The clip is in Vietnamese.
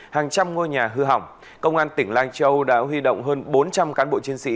hàng trăm ngôi nhà hư hỏng công an tỉnh lai châu đã huy động hơn bốn trăm linh cán bộ chiến sĩ